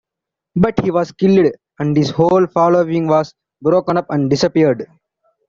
But he was killed and his whole following was broken up and disappeared.